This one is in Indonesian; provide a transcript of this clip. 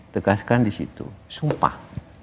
tegaskan di situ sumpah